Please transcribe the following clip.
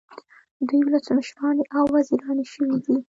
دوی ولسمشرانې او وزیرانې شوې دي.